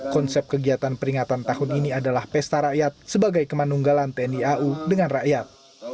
konsep kegiatan peringatan tahun ini adalah pesta rakyat sebagai kemanunggalan tni au dengan rakyat